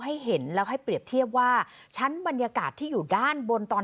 ให้เห็นแล้วให้เปรียบเทียบว่าชั้นบรรยากาศที่อยู่ด้านบนตอน